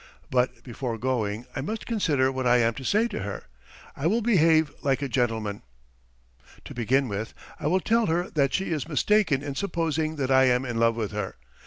... But before going I must consider what I am to say to her. I will behave like a gentleman. To begin with, I will tell her that she is mistaken in supposing that I am in love with her.